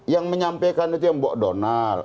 yang menyampaikan itu yang mbok donal